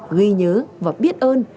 ghi nhớ và biết ơn